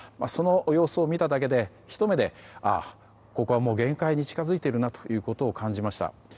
その様子を見ただけで、ひと目でここは限界に近付いているなということを感じました。